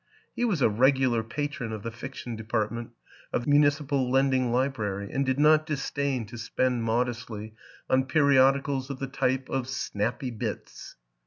He was a regular patron of the fiction department of the municipal lending library and did not dis dain to spend modestly on periodicals of the type of Snappy Bits.